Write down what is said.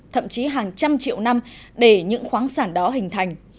thậm chí hàng trăm triệu năm để những khoáng sản đó hình thành